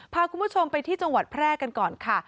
พาคุณผู้ชมไปที่จังหวัดแพร่กันก่อนค่ะ